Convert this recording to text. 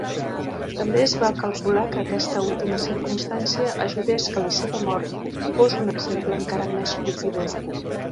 També es va calcular que aquesta última circumstància ajudés que la seva mort fos un exemple encara més colpidor.